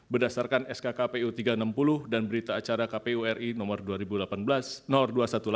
berdasarkan skk pu tiga ratus enam puluh dan berita acara kpu ri nomor dua ratus delapan belas